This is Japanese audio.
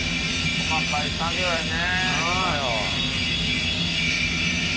細かい作業やね。